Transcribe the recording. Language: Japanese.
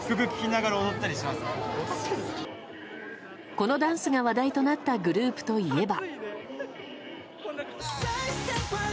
このダンスが話題となったグループといえば。